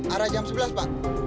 arah jam sebelas pak